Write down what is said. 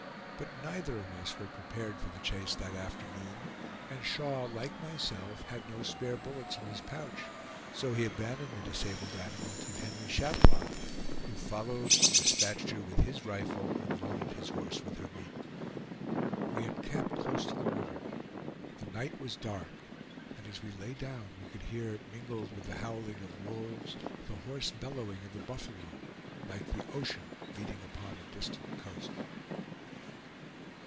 But neither of us were prepared for the chase that afternoon, and Shaw, like myself, had no spare bullets in his pouch; so he abandoned the disabled animal to Henry Chatillon, who followed, dispatched her with his rifle, and loaded his horse with her meat. We encamped close to the river. The night was dark, and as we lay down we could hear mingled with the howling of wolves the hoarse bellowing of the buffalo, like the ocean beating upon a distant coast.